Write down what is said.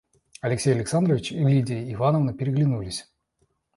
Алексей Александрович и Лидия Ивановна переглянулись.